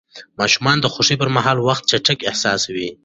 ماشومان د خوښۍ پر مهال وخت چټک احساسوي.